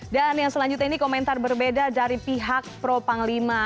dan yang selanjutnya ini komentar berbeda dari pihak pro panglima